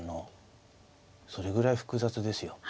それぐらい複雑ですよ。